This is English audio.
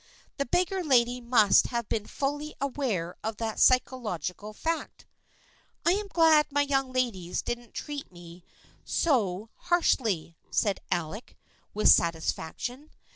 The beggar lady must have been fully aware of that psychological fact." " I am glad my young ladies didn't treat me so THE FRIENDSHIP OF ANNE 137 harshly," said Alec, with satisfaction.